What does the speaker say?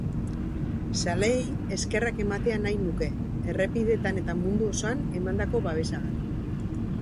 Zaleei eskerrak ematea nahi nuke, errepideetan eta mundu osoan emandako babesagatik.